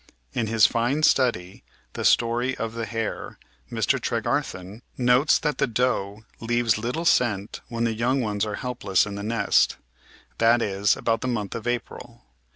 In his fine study. The Story of the Hare, Mr. Tregarthen notes that the doe leaves little scent when the young ones are helpless in the nest, that is, about the month of April.